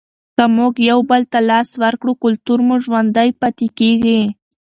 که موږ یو بل ته لاس ورکړو کلتور مو ژوندی پاتې کیږي.